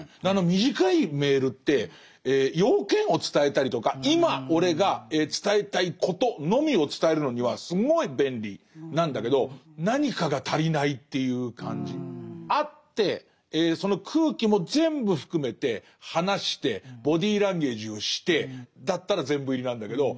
短いメールって用件を伝えたりとか今俺が伝えたいことのみを伝えるのにはすごい便利なんだけど何かが足りないっていう感じ。会ってその空気も全部含めて話してボディーランゲージをしてだったら全部入りなんだけど。